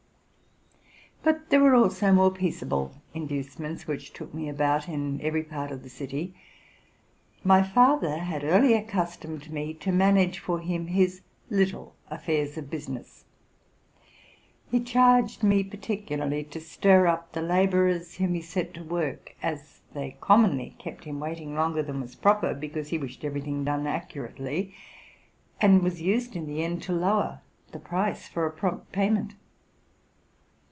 But there were also more peaceable inducements which took me about in every part of the city. My father had early accustomed me to manage for him his little affairs of business. He charged me particularly to stir up the laborers whom he set to work, as they commonly kept him waiting longer than was proper; because he wished every thing done accurately, and was used in the end to lower the price for a prompt payment.